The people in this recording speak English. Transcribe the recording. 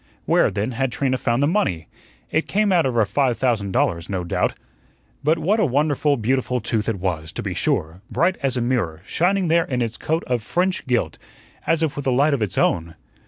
Where, then, had Trina found the money? It came out of her five thousand dollars, no doubt. But what a wonderful, beautiful tooth it was, to be sure, bright as a mirror, shining there in its coat of French gilt, as if with a light of its own!